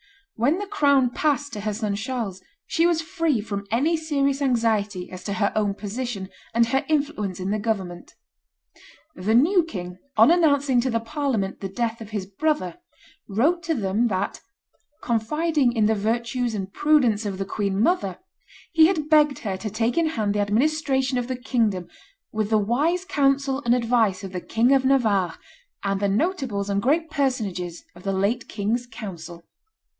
When the crown passed to her son Charles she was free from any serious anxiety as to her own position and her influence in the government. The new king, on announcing to the Parliament the death of his brother, wrote to them that "confiding in the virtues and prudence of the queen mother, he had begged her to take in hand the administration of the kingdom, with the wise counsel and advice of the King of Navarre and the notables and great personages of the late king's council."